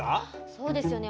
そうですよね。